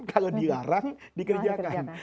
kalau dilarang dikerjakan